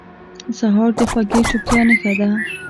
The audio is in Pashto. سهار د خوږې چوپتیا نښه ده.